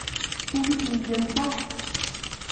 Pourvu qu’il ne vienne pas !